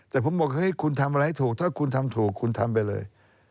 แต่ผมบอกเฮ้ยคุณทำอะไรให้ถูกถ้าคุณทำถูกคุณทำไปเลย